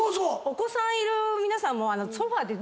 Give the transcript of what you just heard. お子さんいる皆さん。